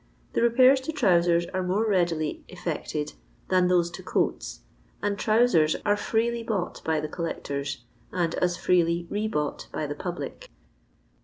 The repairs to trousers arc more readily effected than those to coats, and trousers are freely bought by the collectors, and as freely re bought by the public.